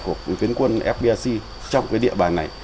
của phiến quân fprc trong cái địa bàn này